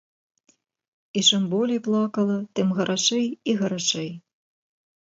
І чым болей плакала, тым гарачэй і гарачэй.